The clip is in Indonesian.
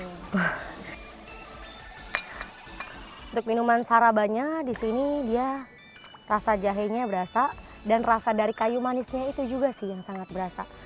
untuk minuman sarabanya di sini dia rasa jahenya berasa dan rasa dari kayu manisnya itu juga sih yang sangat berasa